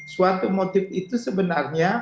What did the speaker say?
suatu motif itu sebenarnya